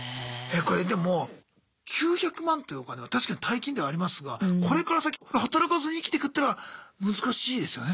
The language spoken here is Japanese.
えこれでも９００万というお金は確かに大金ではありますがこれから先働かずに生きてくってのは難しいですよね多分。